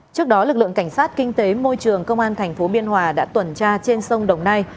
trước đó lực lượng cảnh sát kinh tế môi trường công an thành phố biên hòa đã tuần tra trên sông đồng nai